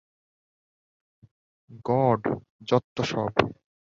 God, যত্তসব!